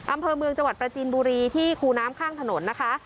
อำเภอเมืองจังหวัดประจีนบุรีที่คูน้ำข้างถนนนะคะ